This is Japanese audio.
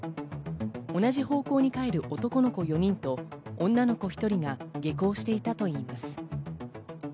同じ方向に帰る男の子４人と女の子１人が下校していたといいます。